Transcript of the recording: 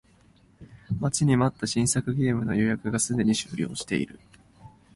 待ちに待った新作ゲームの予約がすでに終了している